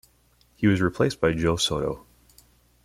He was replaced by Joe Soto.